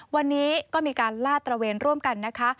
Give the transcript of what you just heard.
วันนี้ก็มีการลาดตระเวนร่วมกันนะคะ